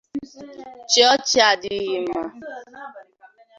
Chịa ọchị adịghị mma